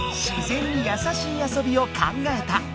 自然にやさしい遊びを考えた。